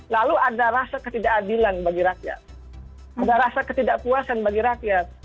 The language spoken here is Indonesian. lalu ada rasa ketidakadilan bagi rakyat ada rasa ketidakpuasan bagi rakyat